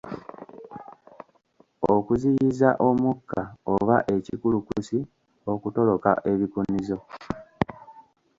Okuziyiza omukka oba ekikulukusi okutoloka ebikunizo.